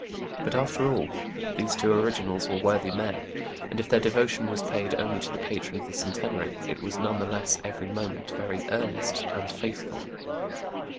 But, after all, these two originals were worthy men ; and, if their devotion was paid only to the patron of the Centenary, it was none the less every moment very earnest and faithful.